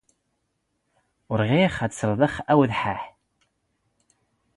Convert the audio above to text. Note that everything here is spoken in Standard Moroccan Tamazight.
ⵓⵔ ⵖⵉⵢⵖ ⴰⴷ ⵙⵔⴹⵖ ⴰⵡⴷ ⵃⴰⵃ.